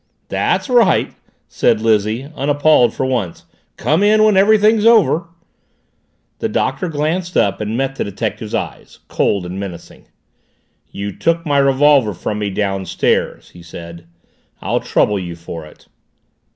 "That's right!" said Lizzie, unappalled for once. "Come in when everything's over!" The Doctor glanced up and met the detective's eyes, cold and menacing. "You took my revolver from me downstairs," he said. "I'll trouble you for it."